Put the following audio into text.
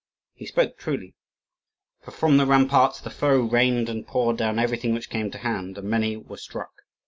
He spoke truly; for from the ramparts the foe rained and poured down everything which came to hand, and many were struck.